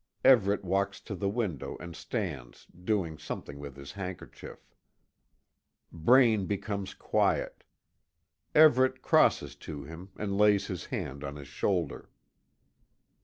Everet walks to the window and stands, doing something with his handkerchief. Braine becomes quiet. Everet crosses to him, and lays his hand on his shoulder.